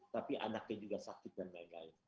tapi anaknya juga sakit dan gagal